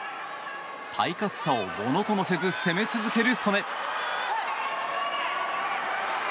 体格差をものともせず攻め続ける素根。